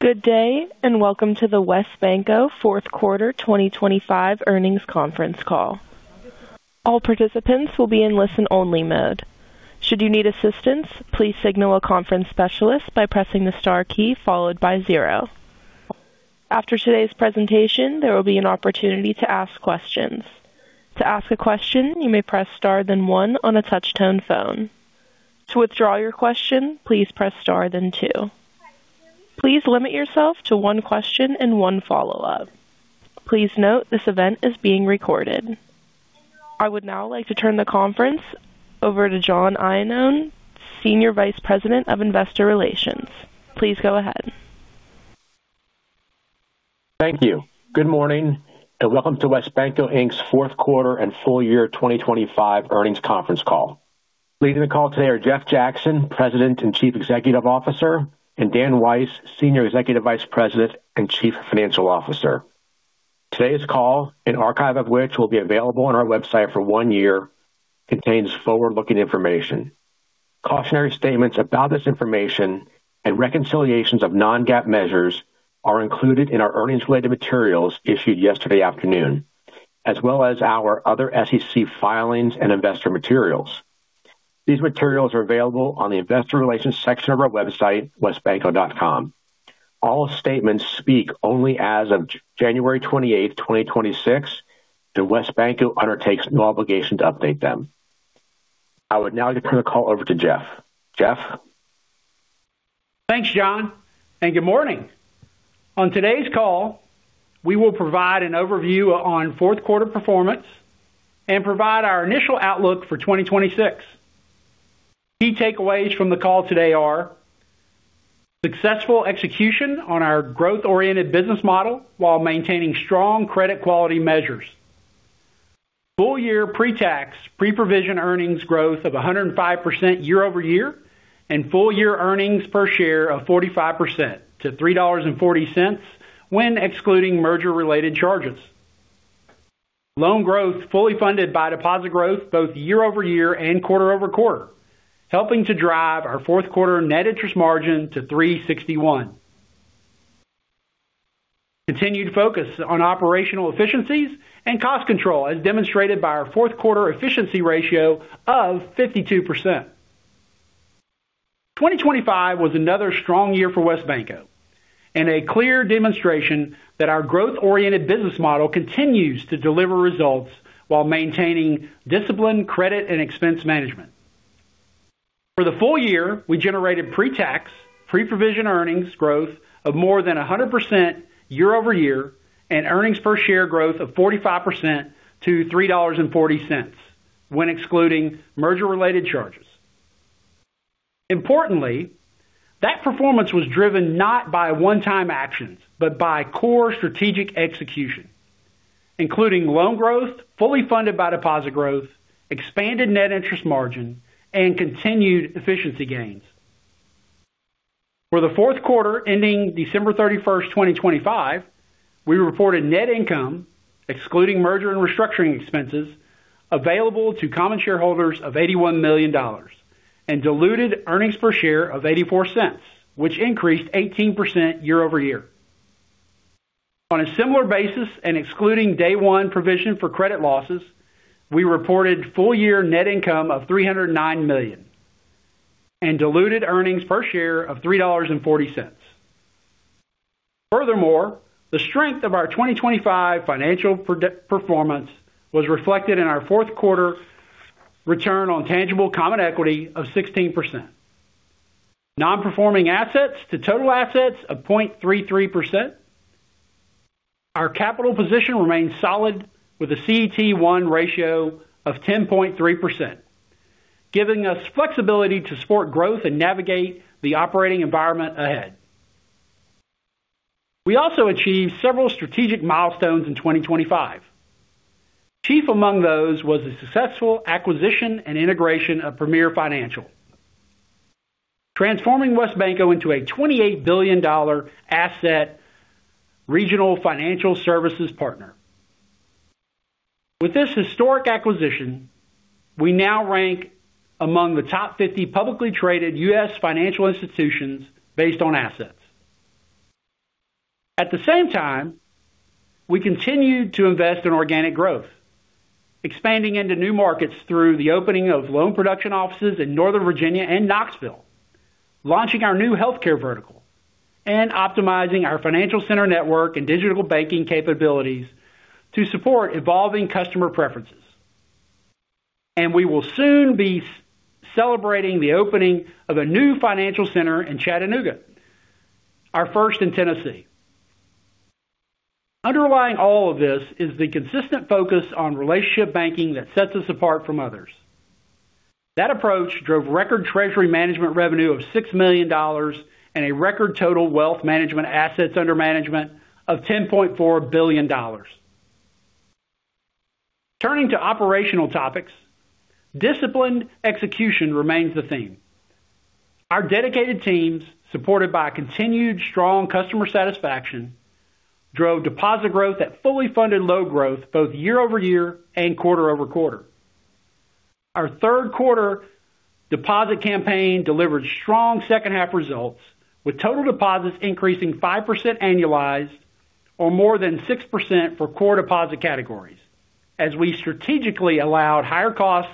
Good day, and welcome to the WesBanco Fourth Quarter 2025 Earnings Conference Call. All participants will be in listen-only mode. Should you need assistance, please signal a conference specialist by pressing the star key followed by zero. After today's presentation, there will be an opportunity to ask questions. To ask a question, you may press star then one on a touch-tone phone. To withdraw your question, please press star then two. Please limit yourself to one question and one follow-up. Please note this event is being recorded. I would now like to turn the conference over to John Iannone, Senior Vice President of Investor Relations. Please go ahead. Thank you. Good morning, and welcome to WesBanco, Inc's fourth quarter and full year 2025 earnings conference call. Leading the call today are Jeff Jackson, President and Chief Executive Officer, and Dan Weiss, Senior Executive Vice President and Chief Financial Officer. Today's call, an archive of which will be available on our website for one year, contains forward-looking information. Cautionary statements about this information and reconciliations of non-GAAP measures are included in our earnings-related materials issued yesterday afternoon, as well as our other SEC filings and investor materials. These materials are available on the Investor Relations section of our website, wesbanco.com. All statements speak only as of January 28, 2026, and WesBanco undertakes no obligation to update them. I would now turn the call over to Jeff. Jeff? Thanks, John, and good morning! On today's call, we will provide an overview on fourth quarter performance and provide our initial outlook for 2026. Key takeaways from the call today are: successful execution on our growth-oriented business model while maintaining strong credit quality measures. Full year pre-tax, pre-provision earnings growth of 105% year-over-year, and full-year earnings per share of 45% to $3.40 when excluding merger-related charges. Loan growth fully funded by deposit growth both year-over-year and quarter-over-quarter, helping to drive our fourth quarter net interest margin to 3.61%. Continued focus on operational efficiencies and cost control, as demonstrated by our fourth quarter efficiency ratio of 52%. 2025 was another strong year for WesBanco and a clear demonstration that our growth-oriented business model continues to deliver results while maintaining disciplined credit and expense management. For the full year, we generated pre-tax, pre-provision earnings growth of more than 100% year-over-year and earnings per share growth of 45% to $3.40 when excluding merger-related charges. Importantly, that performance was driven not by one-time actions, but by core strategic execution, including loan growth, fully funded by deposit growth, expanded net interest margin, and continued efficiency gains. For the fourth quarter, ending December 31st, 2025, we reported net income, excluding merger and restructuring expenses, available to common shareholders of $81 million and diluted earnings per share of $0.84, which increased 18% year-over-year. On a similar basis and excluding day one provision for credit losses, we reported full-year net income of $309 million and diluted earnings per share of $3.40. Furthermore, the strength of our 2025 financial performance was reflected in our fourth quarter return on tangible common equity of 16%. Non-performing assets to total assets of 0.33%. Our capital position remains solid with a CET1 ratio of 10.3%, giving us flexibility to support growth and navigate the operating environment ahead. We also achieved several strategic milestones in 2025. Chief among those was the successful acquisition and integration of Premier Financial, transforming WesBanco into a $28 billion asset regional financial services partner. With this historic acquisition, we now rank among the top 50 publicly traded U.S. financial institutions based on assets. At the same time, we continued to invest in organic growth, expanding into new markets through the opening of loan production offices in Northern Virginia and Knoxville, launching our new healthcare vertical and optimizing our financial center network and digital banking capabilities to support evolving customer preferences. We will soon be celebrating the opening of a new financial center in Chattanooga, our first in Tennessee. Underlying all of this is the consistent focus on relationship banking that sets us apart from others. That approach drove record treasury management revenue of $6 million and a record total wealth management assets under management of $10.4 billion. Turning to operational topics, disciplined execution remains the theme. Our dedicated teams, supported by continued strong customer satisfaction, drove deposit growth and fully funded loan growth both year-over-year and quarter-over-quarter. Our third quarter deposit campaign delivered strong second half results, with total deposits increasing 5% annualized or more than 6% for core deposit categories, as we strategically allowed higher cost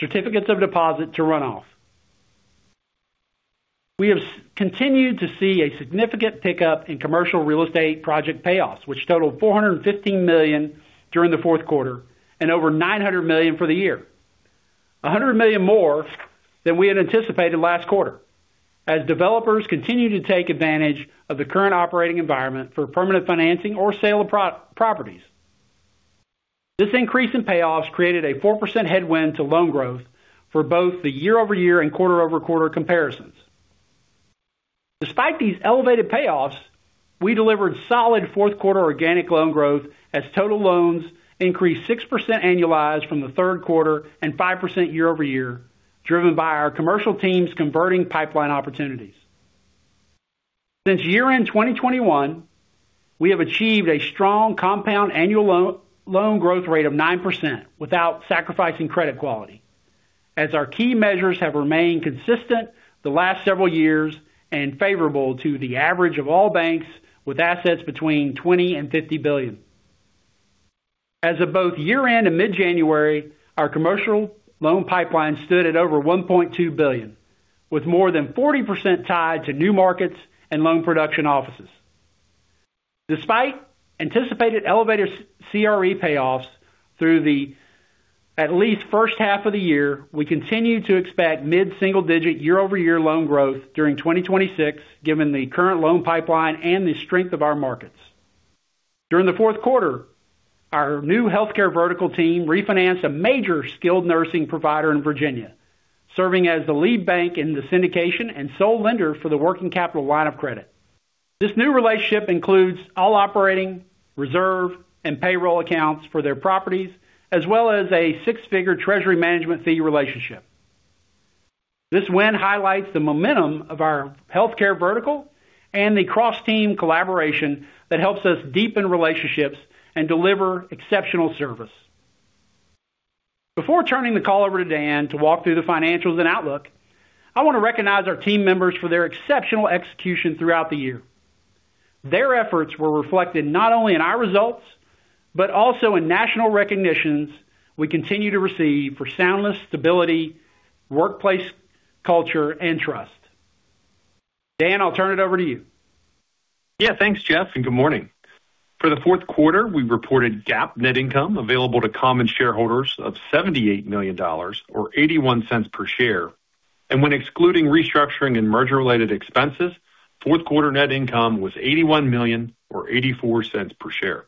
certificates of deposit to run off. We have continued to see a significant pickup in commercial real estate project payoffs, which totaled $415 million during the fourth quarter and over $900 million for the year. $100 million more than we had anticipated last quarter. As developers continue to take advantage of the current operating environment for permanent financing or sale of pro- properties, this increase in payoffs created a 4% headwind to loan growth for both the year-over-year and quarter-over-quarter comparisons. Despite these elevated payoffs, we delivered solid fourth quarter organic loan growth as total loans increased 6% annualized from the third quarter and 5% year-over-year, driven by our commercial teams converting pipeline opportunities. Since year-end 2021, we have achieved a strong compound annual loan growth rate of 9% without sacrificing credit quality, as our key measures have remained consistent the last several years and favorable to the average of all banks with assets between $20 billion and $50 billion. As of both year-end and mid-January, our commercial loan pipeline stood at over $1.2 billion, with more than 40% tied to new markets and loan production offices. Despite anticipated elevated CRE payoffs through at least the first half of the year, we continue to expect mid-single-digit year-over-year loan growth during 2026, given the current loan pipeline and the strength of our markets. During the fourth quarter, our new Healthcare Vertical team refinanced a major skilled nursing provider in Virginia, serving as the lead bank in the syndication and sole lender for the working capital line of credit. This new relationship includes all operating, reserve, and payroll accounts for their properties, as well as a six-figure Treasury Management fee relationship. This win highlights the momentum of our Healthcare Vertical and the cross-team collaboration that helps us deepen relationships and deliver exceptional service. Before turning the call over to Dan to walk through the financials and outlook, I want to recognize our team members for their exceptional execution throughout the year. Their efforts were reflected not only in our results, but also in national recognitions we continue to receive for soundness, stability, workplace culture, and trust. Dan, I'll turn it over to you. Yeah, thanks, Jeff, and good morning. For the fourth quarter, we reported GAAP net income available to common shareholders of $78 million or $0.81 per share, and when excluding restructuring and merger-related expenses, fourth quarter net income was $81 million or $0.84 per share.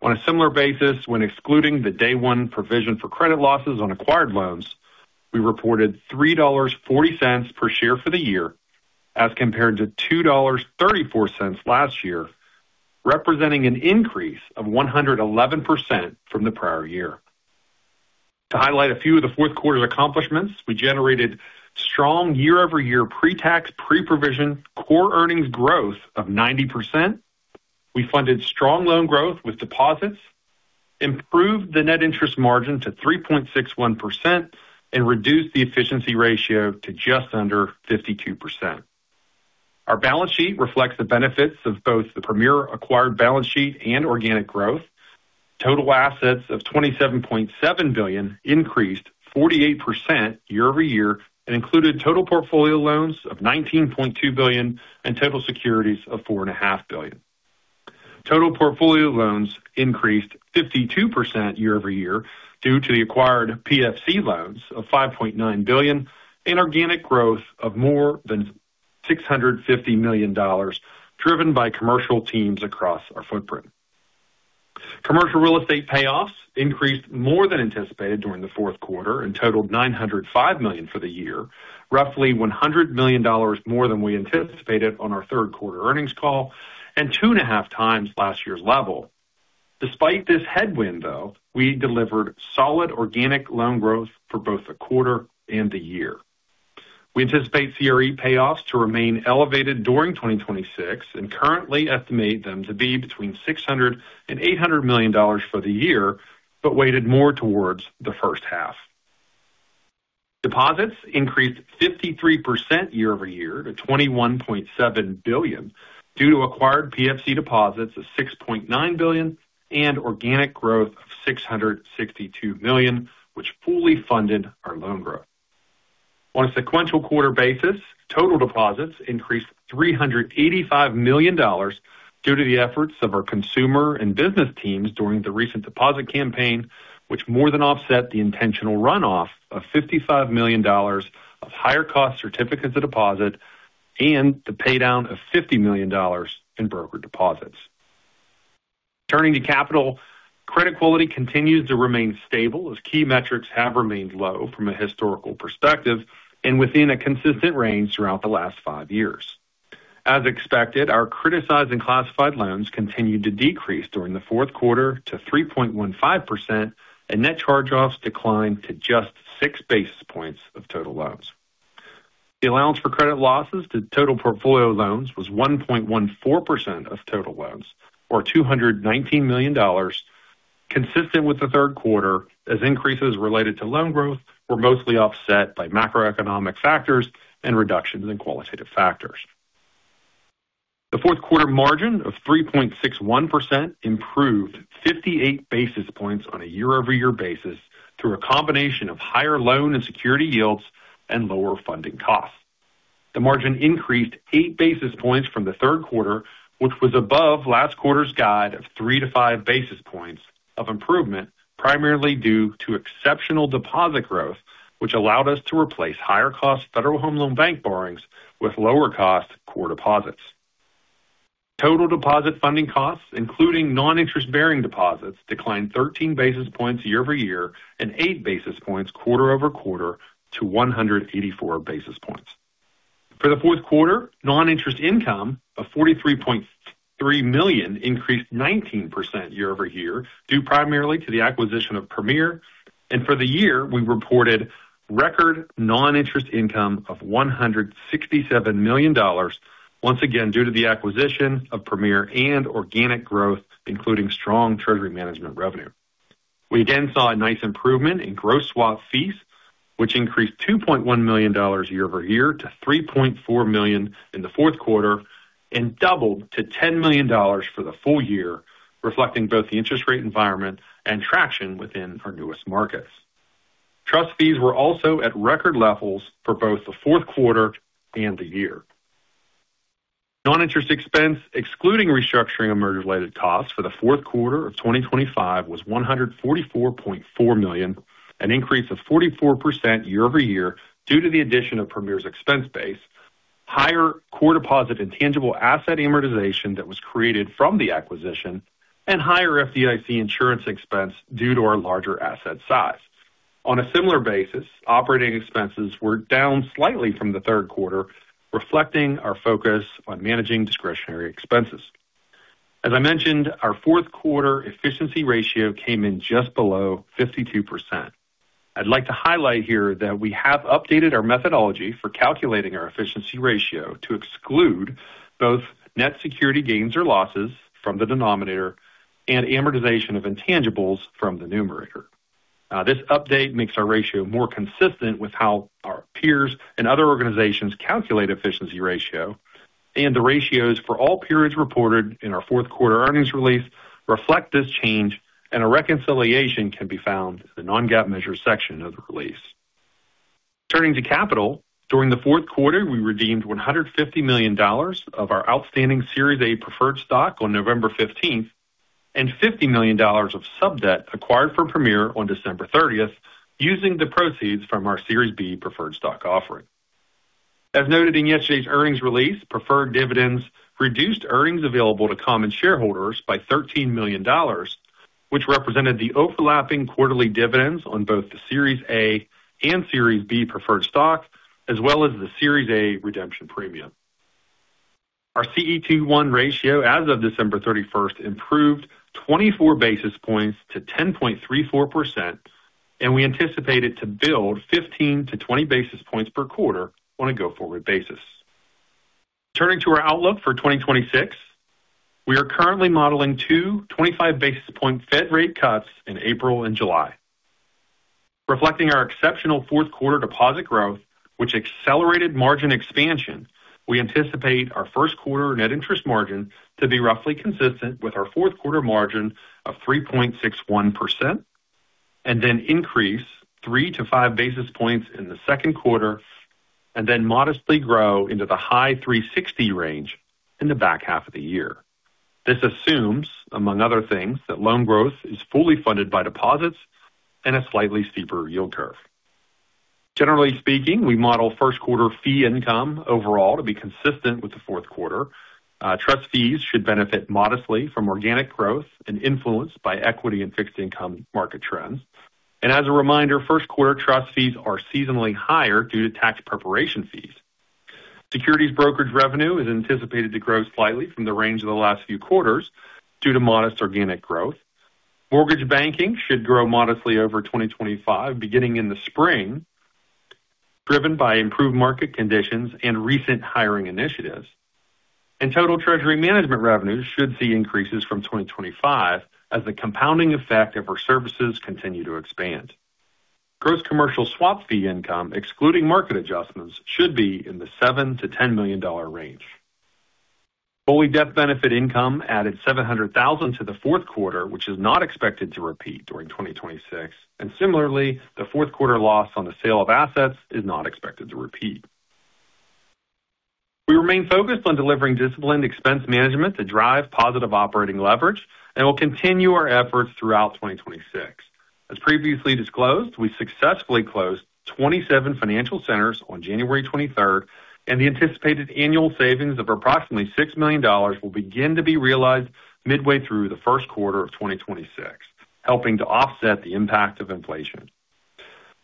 On a similar basis, when excluding the day one provision for credit losses on acquired loans, we reported $3.40 per share for the year as compared to $2.34 last year, representing an increase of 111% from the prior year. To highlight a few of the fourth quarter's accomplishments, we generated strong year-over-year pre-tax, pre-provision core earnings growth of 90%. We funded strong loan growth with deposits, improved the net interest margin to 3.61%, and reduced the efficiency ratio to just under 52%. Our balance sheet reflects the benefits of both the Premier acquired balance sheet and organic growth. Total assets of $27.7 billion increased 48% year-over-year and included total portfolio loans of $19.2 billion and total securities of $4.5 billion. Total portfolio loans increased 52% year-over-year due to the acquired PFC loans of $5.9 billion and organic growth of more than $650 million, driven by commercial teams across our footprint. Commercial real estate payoffs increased more than anticipated during the fourth quarter and totaled $905 million for the year, roughly $100 million more than we anticipated on our third quarter earnings call and 2.5 times last year's level. Despite this headwind, though, we delivered solid organic loan growth for both the quarter and the year. We anticipate CRE payoffs to remain elevated during 2026 and currently estimate them to be between $600 million and $800 million for the year, but weighted more towards the first half. Deposits increased 53% year-over-year to $21.7 billion, due to acquired PFC deposits of $6.9 billion and organic growth of $662 million, which fully funded our loan growth. On a sequential quarter basis, total deposits increased $385 million due to the efforts of our consumer and business teams during the recent deposit campaign, which more than offset the intentional runoff of $55 million of higher cost certificates of deposit and the paydown of $50 million in brokered deposits. Turning to capital, credit quality continues to remain stable as key metrics have remained low from a historical perspective and within a consistent range throughout the last 5 years. As expected, our criticized and classified loans continued to decrease during the fourth quarter to 3.15%, and net charge-offs declined to just 6 basis points of total loans. The allowance for credit losses to total portfolio loans was 1.14% of total loans, or $219 million, consistent with the third quarter, as increases related to loan growth were mostly offset by macroeconomic factors and reductions in qualitative factors. The fourth quarter margin of 3.61% improved 58 basis points on a year-over-year basis through a combination of higher loan and security yields and lower funding costs. The margin increased 8 basis points from the third quarter, which was above last quarter's guide of 3-5 basis points of improvement, primarily due to exceptional deposit growth, which allowed us to replace higher cost Federal Home Loan Bank borrowings with lower cost core deposits. Total deposit funding costs, including non-interest-bearing deposits, declined 13 basis points year-over-year and 8 basis points quarter-over-quarter to 184 basis points. For the fourth quarter, non-interest income of $43.3 million increased 19% year-over-year, due primarily to the acquisition of Premier. For the year, we reported record non-interest income of $167 million, once again due to the acquisition of Premier and organic growth, including strong treasury management revenue. We again saw a nice improvement in gross swap fees, which increased $2.1 million year-over-year to $3.4 million in the fourth quarter, and doubled to $10 million for the full year, reflecting both the interest rate environment and traction within our newest markets. Trust fees were also at record levels for both the fourth quarter and the year. Non-interest expense, excluding restructuring and merger-related costs for the fourth quarter of 2025 was $144.4 million, an increase of 44% year-over-year due to the addition of Premier's expense base, higher core deposit and tangible asset amortization that was created from the acquisition, and higher FDIC insurance expense due to our larger asset size. On a similar basis, operating expenses were down slightly from the third quarter, reflecting our focus on managing discretionary expenses. As I mentioned, our fourth quarter efficiency ratio came in just below 52%. I'd like to highlight here that we have updated our methodology for calculating our efficiency ratio to exclude both net security gains or losses from the denominator and amortization of intangibles from the numerator. This update makes our ratio more consistent with how our peers and other organizations calculate efficiency ratio, and the ratios for all periods reported in our fourth quarter earnings release reflect this change, and a reconciliation can be found in the non-GAAP measure section of the release. Turning to capital, during the fourth quarter, we redeemed $150 million of our outstanding Series A Preferred Stock on November 15th, and $50 million of subdebt acquired for Premier on December 30th, using the proceeds from our Series B Preferred Stock offering. As noted in yesterday's earnings release, preferred dividends reduced earnings available to common shareholders by $13 million, which represented the overlapping quarterly dividends on both the Series A and Series B preferred stock, as well as the Series A redemption premium. Our CET1 ratio as of December 31st improved 24 basis points to 10.34%, and we anticipate it to build 15-20 basis points per quarter on a go-forward basis. Turning to our outlook for 2026, we are currently modeling two 25 basis point Fed rate cuts in April and July. Reflecting our exceptional fourth quarter deposit growth, which accelerated margin expansion, we anticipate our first quarter net interest margin to be roughly consistent with our fourth quarter margin of 3.61%, and then increase 3-5 basis points in the second quarter, and then modestly grow into the high 3.60% range in the back half of the year. This assumes, among other things, that loan growth is fully funded by deposits and a slightly steeper yield curve. Generally speaking, we model first quarter fee income overall to be consistent with the fourth quarter. Trust fees should benefit modestly from organic growth and influenced by equity and fixed income market trends. And as a reminder, first quarter trust fees are seasonally higher due to tax preparation fees. Securities brokerage revenue is anticipated to grow slightly from the range of the last few quarters due to modest organic growth. Mortgage banking should grow modestly over 2025, beginning in the spring, driven by improved market conditions and recent hiring initiatives. Total treasury management revenues should see increases from 2025 as the compounding effect of our services continue to expand. Gross commercial swap fee income, excluding market adjustments, should be in the $7 million-$10 million range. Full death benefit income added $700,000 to the fourth quarter, which is not expected to repeat during 2026, and similarly, the fourth quarter loss on the sale of assets is not expected to repeat. We remain focused on delivering disciplined expense management to drive positive operating leverage, and we'll continue our efforts throughout 2026. As previously disclosed, we successfully closed 27 financial centers on January 23rd, and the anticipated annual savings of approximately $6 million will begin to be realized midway through the first quarter of 2026, helping to offset the impact of inflation.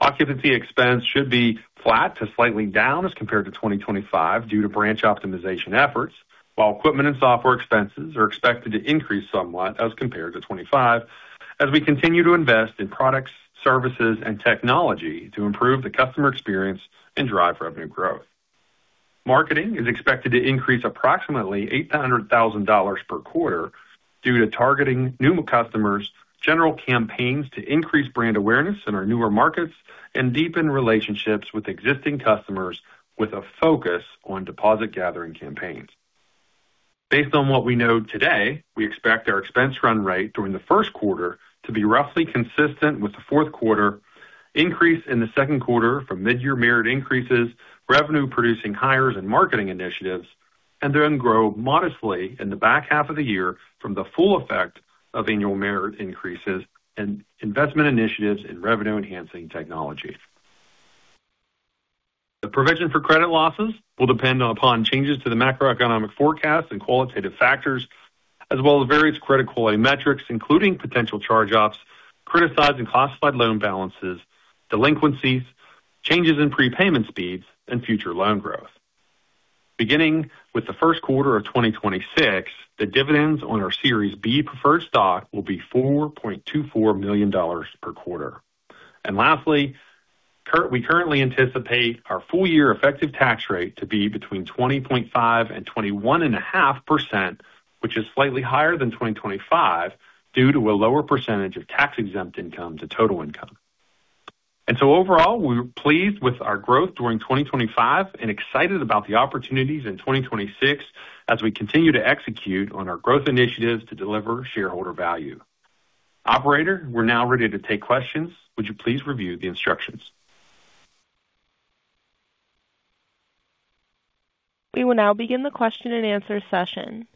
Occupancy expense should be flat to slightly down as compared to 2025 due to branch optimization efforts, while equipment and software expenses are expected to increase somewhat as compared to 2025 as we continue to invest in products, services and technology to improve the customer experience and drive revenue growth. Marketing is expected to increase approximately $800,000 per quarter due to targeting new customers, general campaigns to increase brand awareness in our newer markets, and deepen relationships with existing customers with a focus on deposit gathering campaigns. Based on what we know today, we expect our expense run rate during the first quarter to be roughly consistent with the fourth quarter, increase in the second quarter from mid-year merit increases, revenue producing hires and marketing initiatives, and then grow modestly in the back half of the year from the full effect of annual merit increases and investment initiatives in revenue-enhancing technology. The provision for credit losses will depend upon changes to the macroeconomic forecast and qualitative factors, as well as various credit quality metrics, including potential charge-offs, criticized and classified loan balances, delinquencies, changes in prepayment speeds, and future loan growth. Beginning with the first quarter of 2026, the dividends on our Series B preferred stock will be $4.24 million per quarter. And lastly, we currently anticipate our full year effective tax rate to be between 20.5% and 21.5%, which is slightly higher than 2025, due to a lower percentage of tax-exempt income to total income. And so overall, we're pleased with our growth during 2025 and excited about the opportunities in 2026 as we continue to execute on our growth initiatives to deliver shareholder value. Operator, we're now ready to take questions. Would you please review the instructions? We will now begin the question-and-answer session.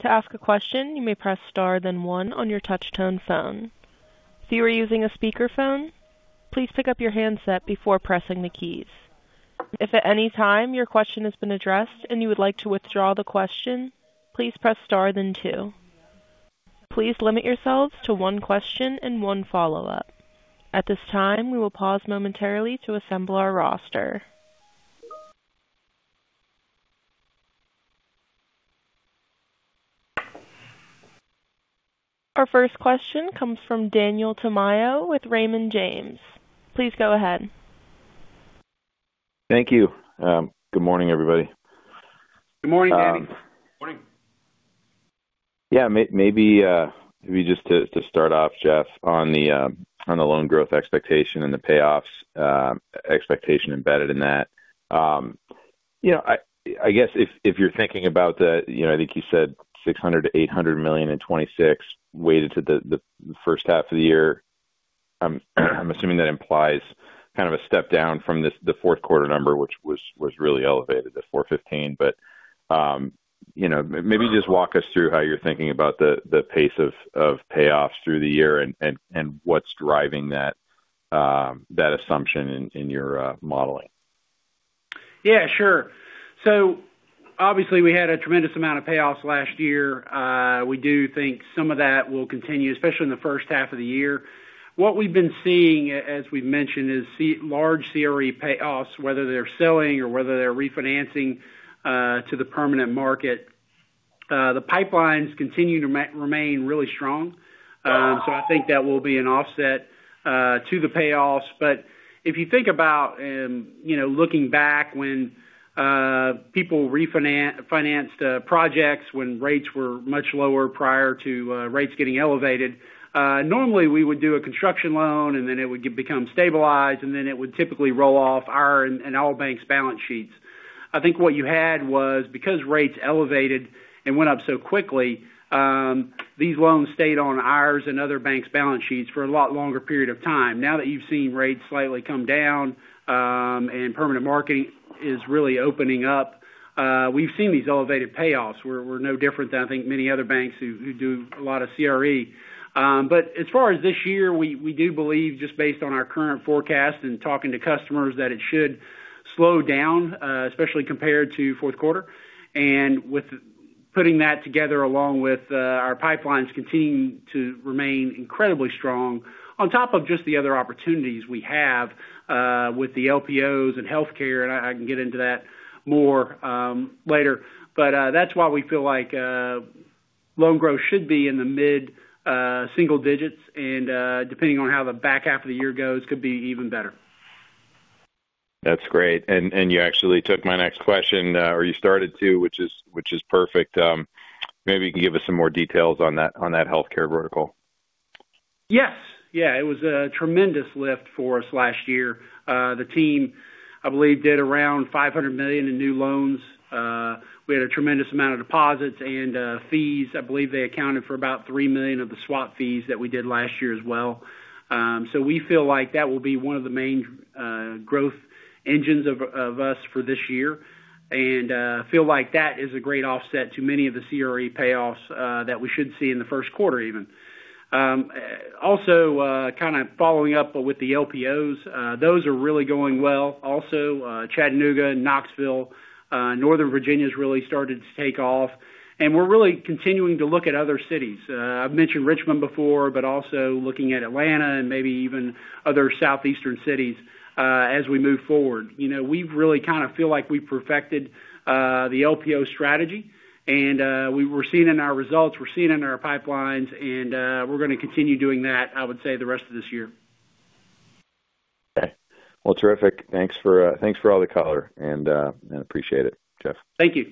To ask a question, you may press star, then one on your touchtone phone. If you are using a speakerphone, please pick up your handset before pressing the keys. If at any time your question has been addressed and you would like to withdraw the question, please press star then two. Please limit yourselves to one question and one follow-up. At this time, we will pause momentarily to assemble our roster. Our first question comes from Daniel Tamayo with Raymond James. Please go ahead. Thank you. Good morning, everybody. Good morning, Danny. Good morning. Yeah, maybe just to start off, Jeff, on the loan growth expectation and the payoffs, expectation embedded in that. You know, I guess if you're thinking about the, you know, I think you said $600 million-$800 million in 2026, weighted to the first half of the year, I'm assuming that implies kind of a step down from the fourth quarter number, which was really elevated, the $415 million. But, you know, maybe just walk us through how you're thinking about the pace of payoffs through the year and what's driving that, that assumption in your modeling. Yeah, sure. So obviously, we had a tremendous amount of payoffs last year. We do think some of that will continue, especially in the first half of the year. What we've been seeing, as we've mentioned, is large CRE payoffs, whether they're selling or whether they're refinancing to the permanent market. The pipelines continue to remain really strong. So I think that will be an offset to the payoffs. But if you think about and, you know, looking back when people financed projects when rates were much lower prior to rates getting elevated, normally we would do a construction loan and then it would become stabilized, and then it would typically roll off our and all banks' balance sheets. I think what you had was because rates elevated and went up so quickly, these loans stayed on ours and other banks' balance sheets for a lot longer period of time. Now that you've seen rates slightly come down, and permanent marketing is really opening up, we've seen these elevated payoffs. We're no different than, I think, many other banks who do a lot of CRE. But as far as this year, we do believe, just based on our current forecast and talking to customers, that it should slow down, especially compared to fourth quarter. With putting that together, along with our pipelines continuing to remain incredibly strong, on top of just the other opportunities we have with the LPOs and healthcare, and I can get into that more, later. That's why we feel like loan growth should be in the mid single digits, and depending on how the back half of the year goes, could be even better. That's great. And you actually took my next question, or you started to, which is perfect. Maybe you can give us some more details on that, on that healthcare vertical. Yes. Yeah, it was a tremendous lift for us last year. The team, I believe, did around $500 million in new loans. We had a tremendous amount of deposits and fees. I believe they accounted for about $3 million of the swap fees that we did last year as well. So we feel like that will be one of the main growth engines of us for this year, and feel like that is a great offset to many of the CRE payoffs that we should see in the first quarter, even. Also, kind of following up with the LPOs, those are really going well. Also, Chattanooga and Knoxville, Northern Virginia's really started to take off, and we're really continuing to look at other cities. I've mentioned Richmond before, but also looking at Atlanta and maybe even other southeastern cities, as we move forward. You know, we've really kind of feel like we've perfected the LPO strategy, and we're seeing in our results, we're seeing in our pipelines, and we're gonna continue doing that, I would say, the rest of this year. Okay. Well, terrific. Thanks for all the color, and I appreciate it, Jeff. Thank you.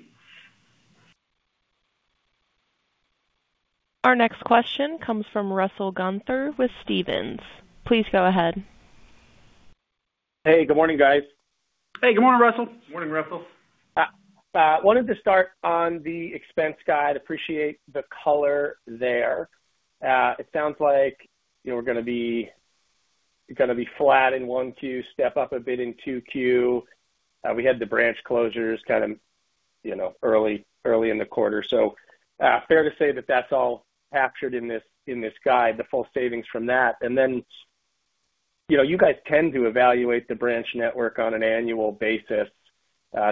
Our next question comes from Russell Gunther with Stephens. Please go ahead. Hey, good morning, guys. Hey, good morning, Russell. Good morning, Russell. Wanted to start on the expense guide. Appreciate the color there. It sounds like, you know, we're gonna be flat in 1Q, step up a bit in 2Q. We had the branch closures kind of, you know, early in the quarter. So, fair to say that that's all captured in this guide, the full savings from that. And then, you know, you guys tend to evaluate the branch network on an annual basis,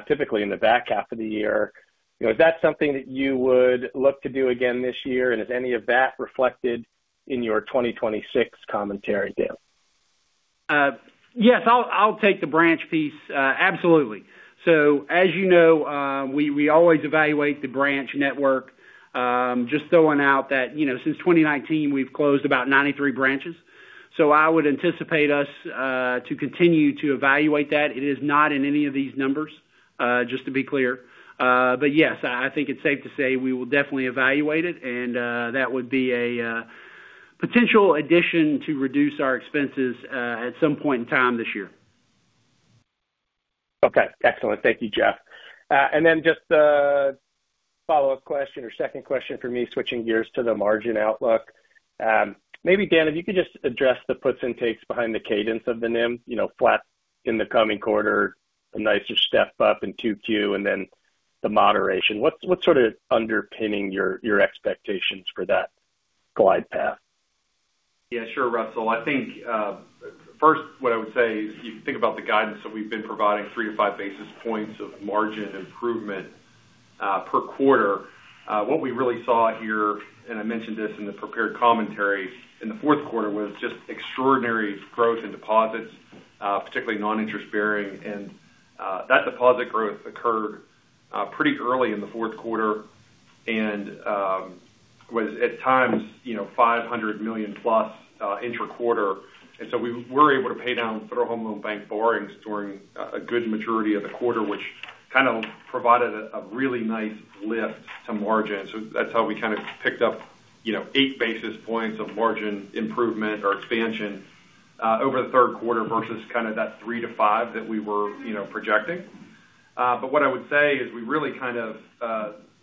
typically in the back half of the year. You know, is that something that you would look to do again this year, and is any of that reflected in your 2026 commentary deal? Yes, I'll, I'll take the branch piece. Absolutely. So as you know, we, we always evaluate the branch network. Just throwing out that, you know, since 2019, we've closed about 93 branches. So I would anticipate us to continue to evaluate that. It is not in any of these numbers, just to be clear. But yes, I think it's safe to say we will definitely evaluate it, and that would be a potential addition to reduce our expenses at some point in time this year. Okay, excellent. Thank you, Jeff. And then just a follow-up question or second question for me, switching gears to the margin outlook. Maybe, Dan, if you could just address the puts and takes behind the cadence of the NIM, you know, flat in the coming quarter, a nicer step up in 2Q, and then the moderation. What's sort of underpinning your expectations for that glide path? Yeah, sure, Russell. I think, first, what I would say is, if you think about the guidance that we've been providing 3-5 basis points of margin improvement per quarter, what we really saw here, and I mentioned this in the prepared commentary, in the fourth quarter, was just extraordinary growth in deposits, particularly non-interest bearing. And that deposit growth occurred pretty early in the fourth quarter and was at times, you know, $500 million+ intraquarter. And so we were able to pay down Federal Home Loan Bank borrowings during a good majority of the quarter, which kind of provided a really nice lift to margin. So that's how we kind of picked up, you know, 8 basis points of margin improvement or expansion over the third quarter versus kind of that 3-5 that we were, you know, projecting. But what I would say is we really kind of,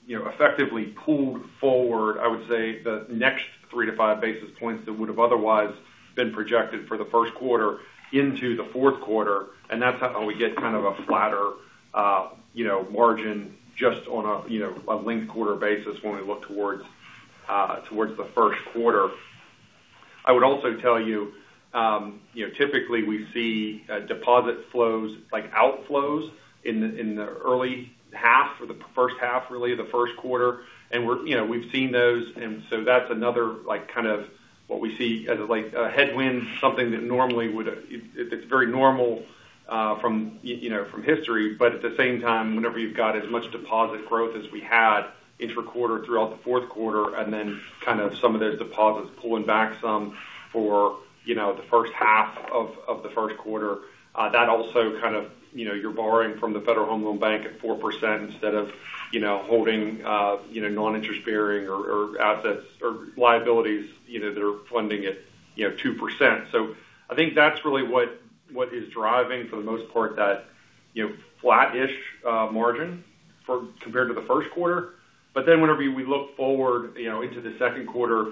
you know, effectively pulled forward, I would say, the next 3-5 basis points that would have otherwise been projected for the first quarter into the fourth quarter, and that's how we get kind of a flatter, you know, margin just on a, you know, a linked quarter basis when we look towards the first quarter. I would also tell you, you know, typically we see deposit flows, like, outflows in the early half or the first half, really, of the first quarter. And we're, you know, we've seen those, and so that's another, like, kind of what we see as, like, a headwind, something that normally would. It's very normal, you know, from history. But at the same time, whenever you've got as much deposit growth as we had intraquarter throughout the fourth quarter, and then kind of some of those deposits pulling back some for, you know, the first half of the first quarter, that also kind of, you know, you're borrowing from the Federal Home Loan Bank at 4% instead of, you know, holding, you know, non-interest bearing or assets or liabilities, you know, that are funding at, you know, 2%. So I think that's really what is driving, for the most part, that, you know, flat-ish margin compared to the first quarter. But then whenever we look forward, you know, into the second quarter,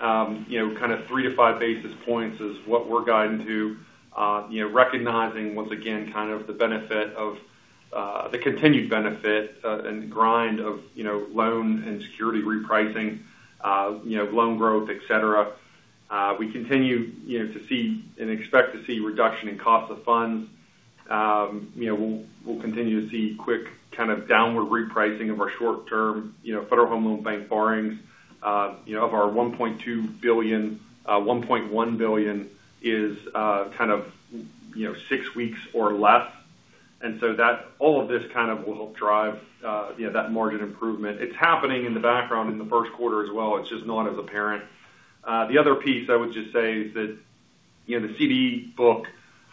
you know, kind of 3-5 basis points is what we're guiding to, you know, recognizing, once again, kind of the benefit of the continued benefit and grind of, you know, loan and security repricing, you know, loan growth, et cetera. We continue, you know, to see and expect to see reduction in cost of funds. You know, we'll continue to see quick kind of downward repricing of our short-term, you know, Federal Home Loan Bank borrowings. You know, of our $1.2 billion, $1.1 billion is kind of, you know, six weeks or less. And so that all of this kind of will drive, you know, that margin improvement. It's happening in the background in the first quarter as well. It's just not as apparent. The other piece I would just say is that, you know, the CD book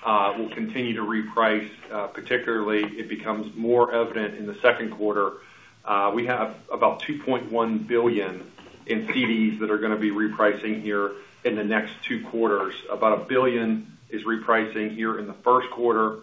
will continue to reprice, particularly it becomes more evident in the second quarter. We have about $2.1 billion in CDs that are going to be repricing here in the next two quarters. About $1 billion is repricing here in the first quarter,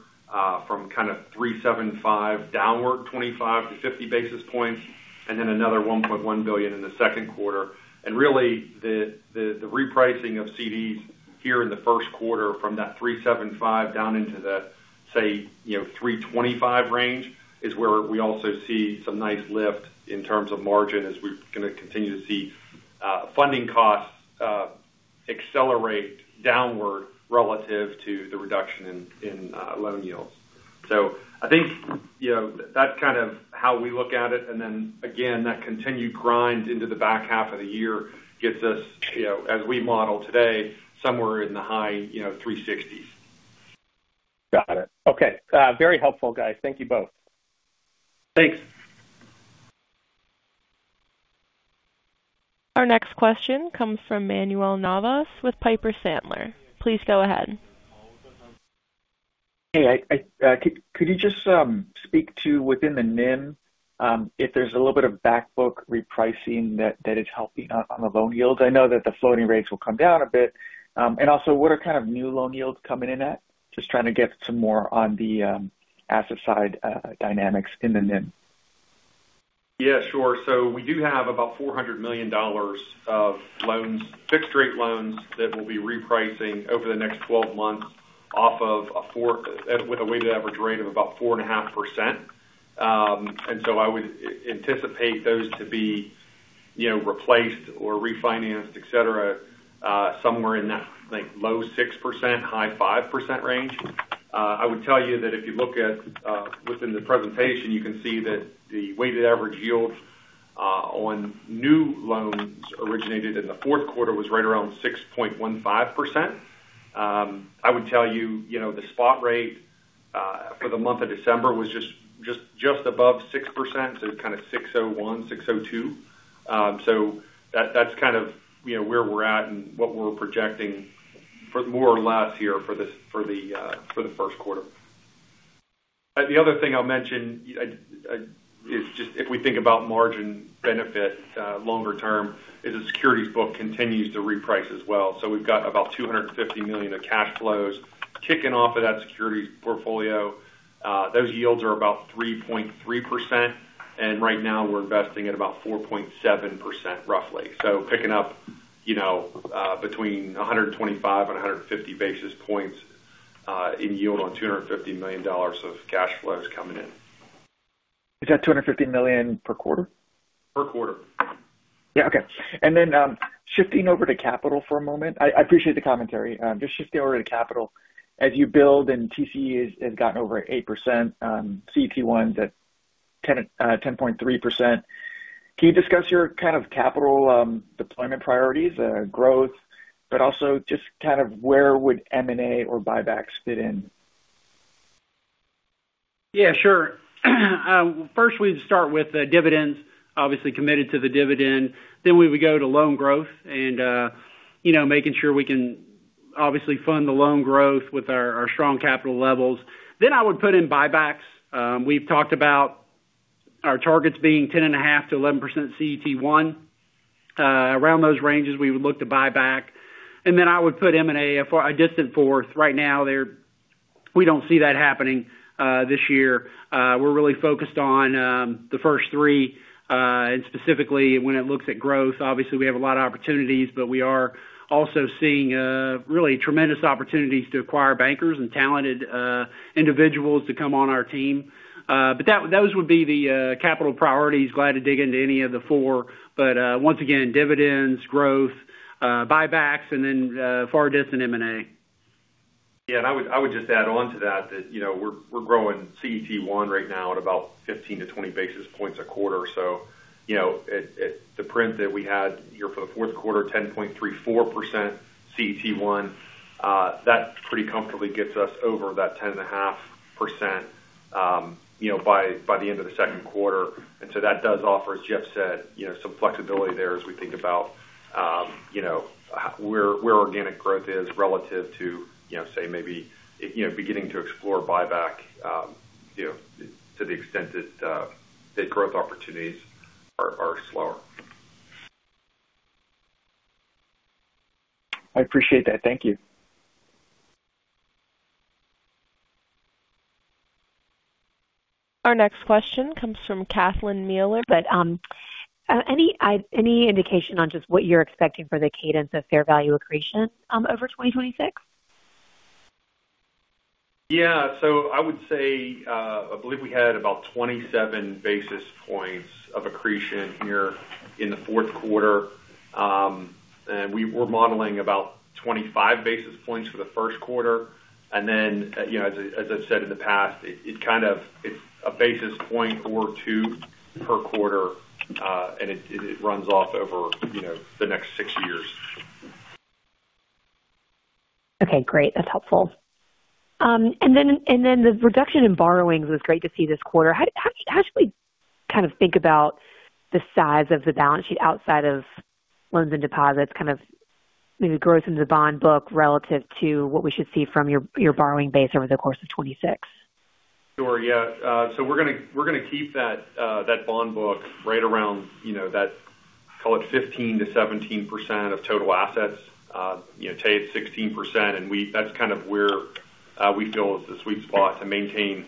from kind of 3.75% downward, 25 to 50 basis points, and then another $1.1 billion in the second quarter. And really, the repricing of CDs here in the first quarter from that 3.75% down into the, say, you know, 3.25% range, is where we also see some nice lift in terms of margin, as we're going to continue to see, funding costs accelerate downward relative to the reduction in, loan yields. So I think, you know, that's kind of how we look at it. And then again, that continued grind into the back half of the year gets us, you know, as we model today, somewhere in the high, you know, 3.60%. Got it. Okay. Very helpful, guys. Thank you both. Thanks. Our next question comes from Manuel Navas with Piper Sandler. Please go ahead. Hey, could you just speak to within the NIM if there's a little bit of back book repricing that is helping on the loan yields? I know that the floating rates will come down a bit. And also, what are kind of new loan yields coming in at? Just trying to get some more on the asset side dynamics in the NIM. Yeah, sure. So we do have about $400 million of loans—fixed-rate loans that will be repricing over the next 12 months off of a 4—with a weighted average rate of about 4.5%. And so I would anticipate those to be, you know, replaced or refinanced, et cetera, somewhere in that, I think, low 6%, high 5% range. I would tell you that if you look at within the presentation, you can see that the weighted average yield on new loans originated in the fourth quarter was right around 6.15%. I would tell you, you know, the spot rate for the month of December was just above 6%, so kind of 6.01%, 6.02%. So that's kind of, you know, where we're at and what we're projecting for more or less here for this—for the first quarter. The other thing I'll mention is just if we think about margin benefit longer term, is the securities book continues to reprice as well. So we've got about $250 million of cash flows kicking off of that securities portfolio. Those yields are about 3.3%, and right now we're investing at about 4.7%, roughly. So picking up, you know, between 125 and 150 basis points in yield on $250 million of cash flows coming in. Is that $250 million per quarter? Per quarter. Yeah. Okay. And then, shifting over to capital for a moment. I, I appreciate the commentary. Just shifting over to capital. As you build and TCE has gotten over 8%, CET1 is at 10, 10.3%. Can you discuss your kind of capital deployment priorities, growth, but also just kind of where would M&A or buybacks fit in? Yeah, sure. First, we'd start with the dividends, obviously committed to the dividend. Then we would go to loan growth and, you know, making sure we can obviously fund the loan growth with our, our strong capital levels. Then I would put in buybacks. We've talked about our targets being 10.5%-11% CET1. Around those ranges, we would look to buy back, and then I would put M&A a far distant fourth. Right now, they're, we don't see that happening this year. We're really focused on the first three, and specifically when it looks at growth. Obviously, we have a lot of opportunities, but we are also seeing really tremendous opportunities to acquire bankers and talented individuals to come on our team. But those would be the capital priorities. Glad to dig into any of the four, but, once again, dividends, growth, buybacks, and then, far distant M&A. Yeah, and I would just add on to that, you know, we're growing CET1 right now at about 15-20 basis points a quarter. So, you know, at the print that we had here for the fourth quarter, 10.34% CET1, that pretty comfortably gets us over that 10.5%, you know, by the end of the second quarter. And so that does offer, as Jeff said, you know, some flexibility there as we think about, you know, where organic growth is relative to, you know, say maybe, you know, beginning to explore buyback, you know, to the extent that the growth opportunities are slower. I appreciate that. Thank you. Our next question comes from Catherine Mealor. Any indication on just what you're expecting for the cadence of fair value accretion over 2026? Yeah. So I would say, I believe we had about 27 basis points of accretion here in the fourth quarter. And we're modeling about 25 basis points for the first quarter. And then, you know, as I've said in the past, it kind of, it's a basis point or two per quarter, and it runs off over, you know, the next six years. Okay, great. That's helpful. And then the reduction in borrowings was great to see this quarter. How should we kind of think about the size of the balance sheet outside of loans and deposits, kind of maybe growth in the bond book relative to what we should see from your borrowing base over the course of 2026? Sure, yeah. So we're gonna, we're gonna keep that bond book right around, you know, that, call it 15%-17% of total assets. You know, today it's 16%, and that's kind of where we feel is the sweet spot to maintain,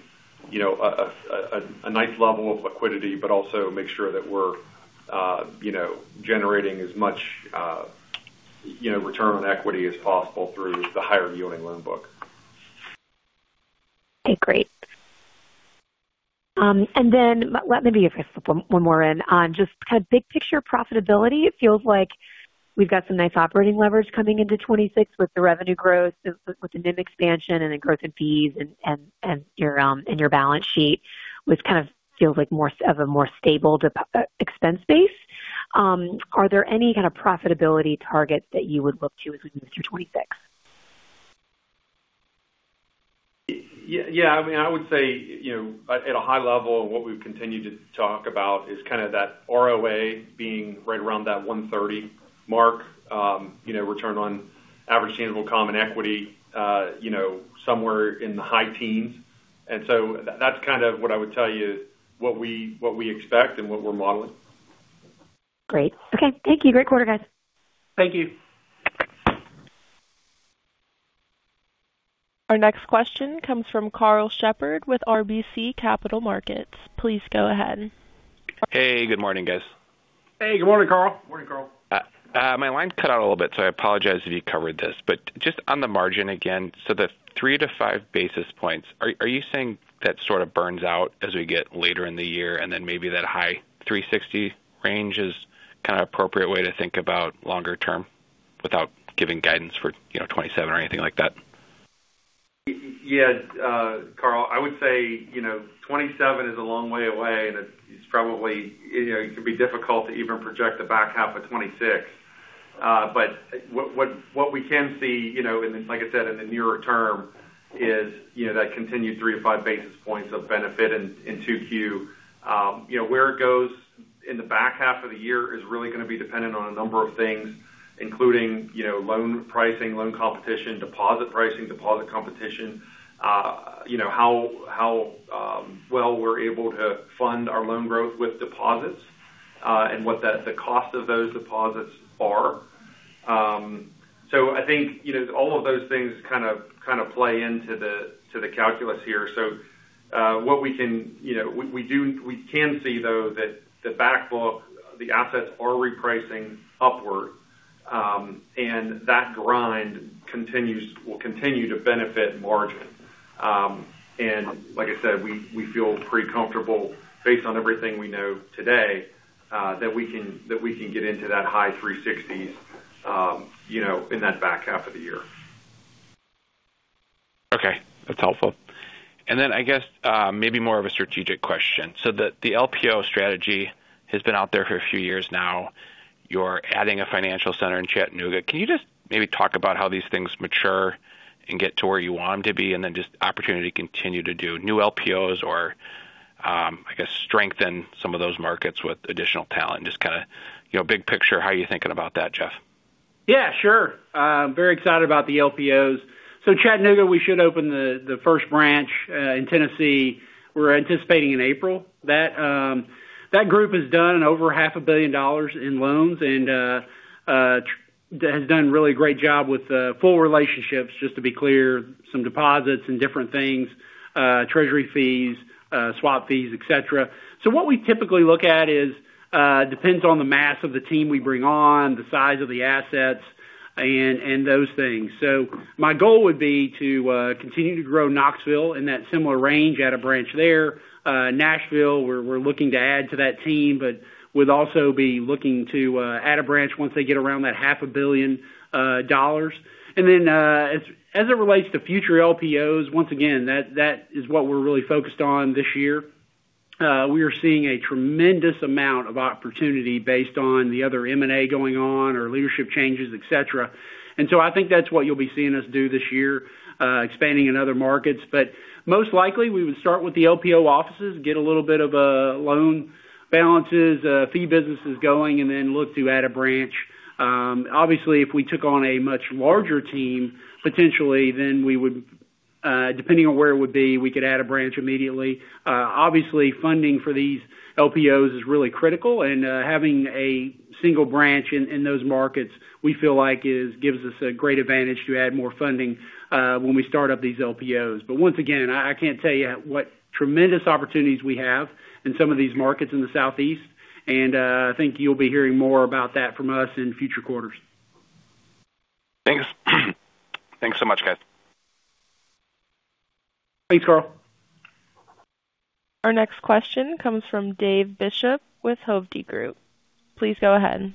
you know, a nice level of liquidity, but also make sure that we're, you know, generating as much return on equity as possible through the higher-yielding loan book. Okay, great. And then let me, if I slip one more in on just kind of big picture profitability, it feels like we've got some nice operating leverage coming into 2026 with the revenue growth, with the NIM expansion and the growth in fees and your balance sheet, which kind of feels like more of a stable expense base. Are there any kind of profitability targets that you would look to as we move through 2026? Yeah, yeah, I mean, I would say, you know, at a high level, what we've continued to talk about is kind of that ROA being right around that 1.30 mark, you know, return on average tangible common equity, you know, somewhere in the high teens. And so that's kind of what I would tell you, what we, what we expect and what we're modeling. Great. Okay, thank you. Great quarter, guys. Thank you. Our next question comes from Karl Shepard with RBC Capital Markets. Please go ahead. Hey, good morning, guys. Hey, good morning, Karl. Morning, Karl. My line cut out a little bit, so I apologize if you covered this. Just on the margin again, so the 3-5 basis points, are you saying that sort of burns out as we get later in the year, and then maybe that high 360 range is kind of appropriate way to think about longer term without giving guidance for, you know, 2027 or anything like that? Yes, Karl, I would say, you know, 27 is a long way away, and it's probably, you know, it could be difficult to even project the back half of 26. But what we can see, you know, and like I said, in the nearer term, is, you know, that continued 3-5 basis points of benefit in 2Q. You know, where it goes in the back half of the year is really going to be dependent on a number of things, including, you know, loan pricing, loan competition, deposit pricing, deposit competition, you know, how well we're able to fund our loan growth with deposits, and what the cost of those deposits are. So I think, you know, all of those things kind of play into the calculus here. So, what we can, you know, we can see, though, that the back book, the assets are repricing upward, and that grind will continue to benefit margin. And like I said, we feel pretty comfortable based on everything we know today, that we can get into that high 360s, you know, in that back half of the year. Okay, that's helpful. And then I guess, maybe more of a strategic question. So the, the LPO strategy has been out there for a few years now. You're adding a financial center in Chattanooga. Can you just maybe talk about how these things mature and get to where you want them to be, and then just opportunity to continue to do new LPOs or, I guess, strengthen some of those markets with additional talent? Just kind of, you know, big picture, how are you thinking about that, Jeff? Yeah, sure. Very excited about the LPOs. So Chattanooga, we should open the first branch in Tennessee, we're anticipating in April. That group has done over $500 million in loans and has done a really great job with full relationships, just to be clear, some deposits and different things, treasury fees, swap fees, et cetera. So what we typically look at is depends on the mass of the team we bring on, the size of the assets and those things. So my goal would be to continue to grow Knoxville in that similar range at a branch there. Nashville, we're looking to add to that team, but we'd also be looking to add a branch once they get around that $500 million. And then, as it relates to future LPOs, once again, that is what we're really focused on this year. We are seeing a tremendous amount of opportunity based on the other M&A going on, or leadership changes, et cetera. And so I think that's what you'll be seeing us do this year, expanding in other markets. But most likely, we would start with the LPO offices, get a little bit of loan balances, fee businesses going, and then look to add a branch. Obviously, if we took on a much larger team, potentially, then we would, depending on where it would be, we could add a branch immediately. Obviously, funding for these LPOs is really critical, and having a single branch in those markets, we feel like gives us a great advantage to add more funding when we start up these LPOs. But once again, I can't tell you what tremendous opportunities we have in some of these markets in the Southeast, and I think you'll be hearing more about that from us in future quarters. Thanks. Thanks so much, guys. Thanks, Karl. Our next question comes from Dave Bishop with Hovde Group. Please go ahead.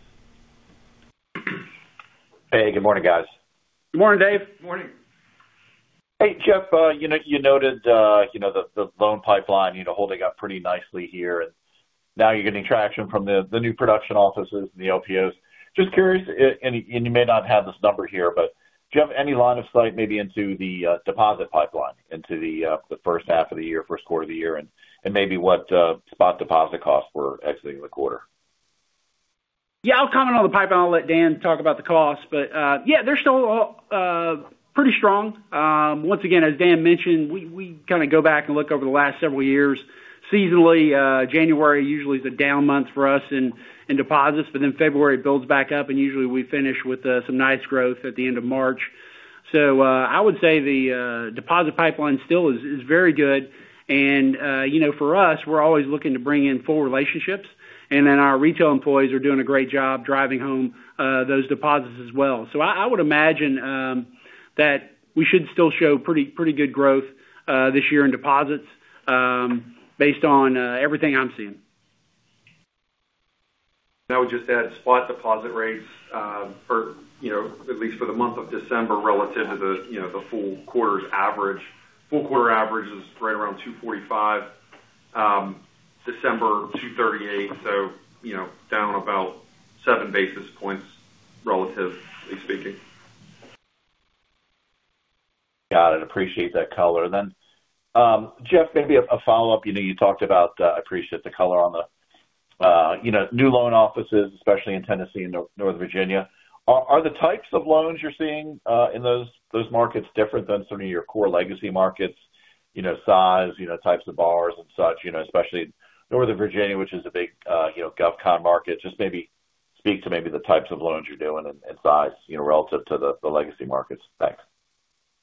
Hey, good morning, guys. Good morning, Dave. Good morning. Hey, Jeff, you know, you noted, you know, the loan pipeline, you know, holding up pretty nicely here, and now you're getting traction from the new production offices and the LPOs. Just curious, and you may not have this number here, but do you have any line of sight, maybe into the deposit pipeline, into the first half of the year, first quarter of the year? And maybe what spot deposit costs were exiting the quarter? Yeah, I'll comment on the pipeline. I'll let Dan talk about the costs. But, yeah, they're still pretty strong. Once again, as Dan mentioned, we kind of go back and look over the last several years. Seasonally, January usually is a down month for us in deposits, but then February, it builds back up, and usually we finish with some nice growth at the end of March. So, I would say the deposit pipeline still is very good. And, you know, for us, we're always looking to bring in full relationships, and then our retail employees are doing a great job driving home those deposits as well. So I would imagine that we should still show pretty good growth this year in deposits, based on everything I'm seeing. I would just add spot deposit rates, or, you know, at least for the month of December, relative to the, you know, the full quarter's average. Full quarter average is right around 2.45, December, 2.38, so, you know, down about seven basis points. ...relatively speaking. Got it. Appreciate that color. Then, Jeff, maybe a follow-up. You know, you talked about, I appreciate the color on the, you know, new loan offices, especially in Tennessee and Northern Virginia. Are the types of loans you're seeing in those markets different than some of your core legacy markets? You know, size, you know, types of borrowers and such, you know, especially Northern Virginia, which is a big, you know, GovCon market. Just maybe speak to maybe the types of loans you're doing and size, you know, relative to the legacy markets. Thanks.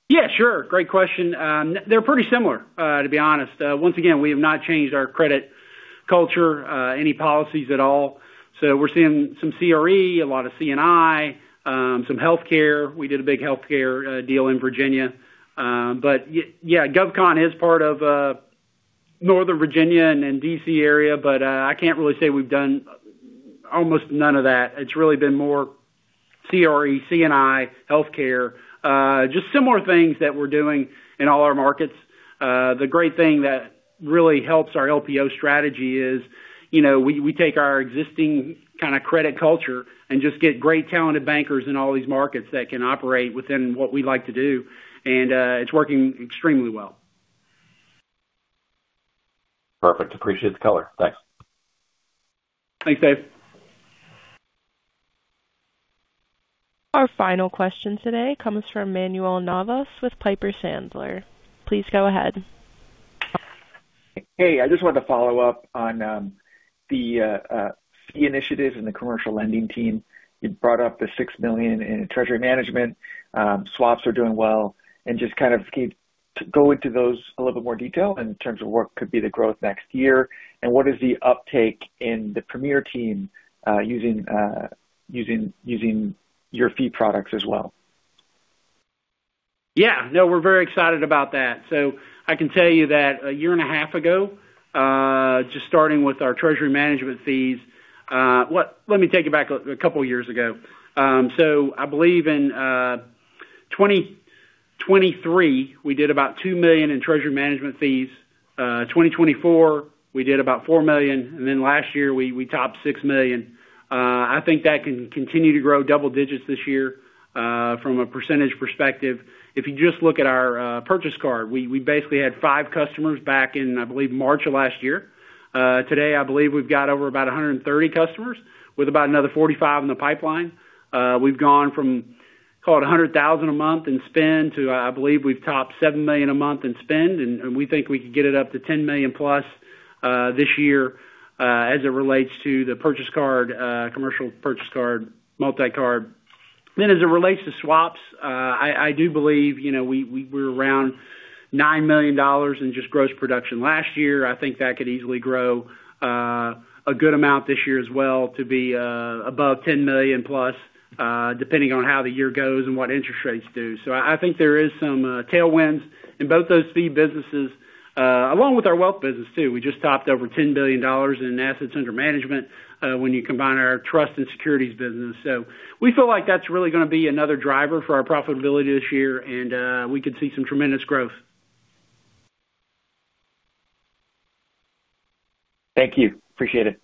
Yeah, sure. Great question. They're pretty similar, to be honest. Once again, we have not changed our credit culture, any policies at all. So we're seeing some CRE, a lot of C&I, some healthcare. We did a big healthcare deal in Virginia. But yeah, GovCon is part of Northern Virginia and then D.C. area, but I can't really say we've done almost none of that. It's really been more CRE, C&I, healthcare, just similar things that we're doing in all our markets. The great thing that really helps our LPO strategy is, you know, we take our existing kinda credit culture and just get great talented bankers in all these markets that can operate within what we like to do, and it's working extremely well. Perfect. Appreciate the color. Thanks. Thanks, Dave. Our final question today comes from Manuel Navas with Piper Sandler. Please go ahead. Hey, I just wanted to follow up on the fee initiatives and the commercial lending team. You brought up the $6 million in treasury management. Swaps are doing well, and just kind of can you go into those a little bit more detail in terms of what could be the growth next year, and what is the uptake in the Premier team using your fee products as well? Yeah, no, we're very excited about that. So I can tell you that a year and a half ago, just starting with our treasury management fees, what-- let me take it back a couple of years ago. So I believe in 2023, we did about $2 million in treasury management fees. 2024, we did about $4 million, and then last year, we topped $6 million. I think that can continue to grow double digits this year, from a percentage perspective. If you just look at our purchase card, we basically had 5 customers back in, I believe, March of last year. Today, I believe we've got over about 130 customers, with about another 45 in the pipeline. We've gone from, call it $100,000 a month in spend to, I believe, we've topped $7 million a month in spend, and we think we can get it up to $10 million-plus this year, as it relates to the purchase card, commercial purchase card, multi-card. Then, as it relates to swaps, I do believe, you know, we're around $9 million in just gross production last year. I think that could easily grow a good amount this year as well to be above $10 million-plus, depending on how the year goes and what interest rates do. So I think there is some tailwinds in both those fee businesses, along with our wealth business, too. We just topped over $10 billion in assets under management, when you combine our trust and securities business. So we feel like that's really gonna be another driver for our profitability this year, and we could see some tremendous growth. Thank you. Appreciate it.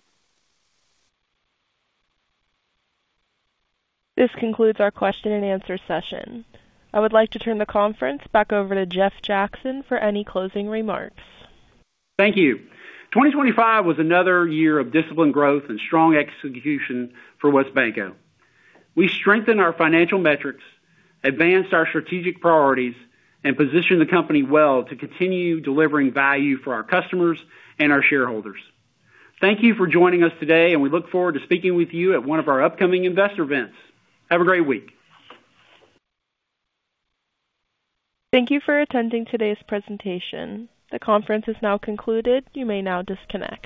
This concludes our question and answer session. I would like to turn the conference back over to Jeff Jackson for any closing remarks. Thank you. 2025 was another year of disciplined growth and strong execution for WesBanco. We strengthened our financial metrics, advanced our strategic priorities, and positioned the company well to continue delivering value for our customers and our shareholders. Thank you for joining us today, and we look forward to speaking with you at one of our upcoming investor events. Have a great week. Thank you for attending today's presentation. The conference is now concluded. You may now disconnect.